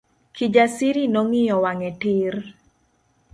Kijasiri nong'iyo wange tir.